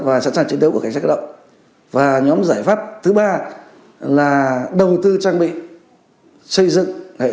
và sẵn sàng chiến đấu của cảnh sát cơ động và nhóm giải pháp thứ ba là đầu tư trang bị xây dựng